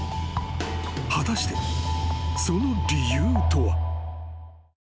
［果たしてその理由とは］